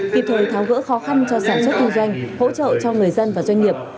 kịp thời tháo gỡ khó khăn cho sản xuất kinh doanh hỗ trợ cho người dân và doanh nghiệp